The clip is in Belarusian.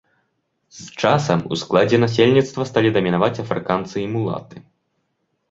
З часам у складзе насельніцтва сталі дамінаваць афрыканцы і мулаты.